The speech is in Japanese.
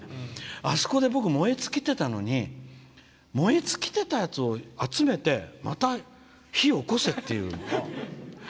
あそこで僕、燃え尽きてたのに燃え尽きてたやつを集めてまた火を起こせっていう。